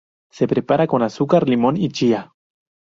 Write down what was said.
Se prepara con azúcar, limón y chía.